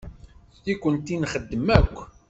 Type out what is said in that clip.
Nekkenti nxeddem akk.